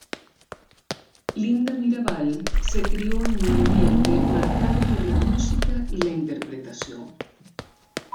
Linda Mirabal se crio en un ambiente marcado por la música y la interpretación.